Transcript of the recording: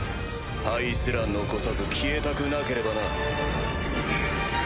灰すら残さず消えたくなければな。